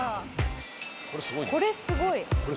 これすごいね。